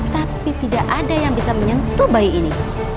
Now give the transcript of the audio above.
tapi tidak ada yang bisa menyentuh bayi ini